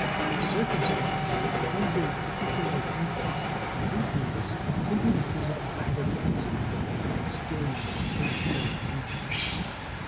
The circumstance lends a particular interest to inquiries into the physical habitudes of our exterior planetary neighbour.